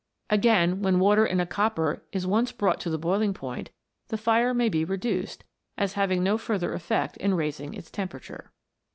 Again, when water in a copper is once brought to the boiling point, the fire may be reduced, as having no further effect in rais ing its temperature.